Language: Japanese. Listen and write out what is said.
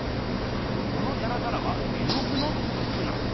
このザラザラは絵のぐのツブツブなんす。